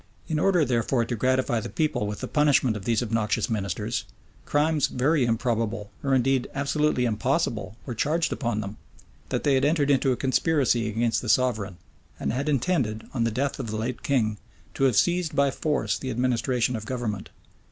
In order, therefore, to gratify the people with the punishment of these obnoxious ministers crimes very improbable, or indeed absolutely impossible, were charged upon them: that they had entered into a conspiracy against the sovereign, and had intended, on the death of the late king, to have seized by force the administration of government.